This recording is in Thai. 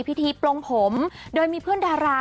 ปลงผมโดยมีเพื่อนดารา